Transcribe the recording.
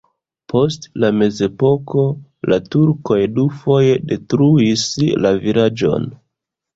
Post la mezepoko la turkoj dufoje detruis la vilaĝon.